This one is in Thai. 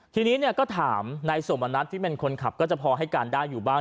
ทีนี้ก็ถามนายสมนัทที่เป็นคนขับก็จะพอให้การได้อยู่บ้าง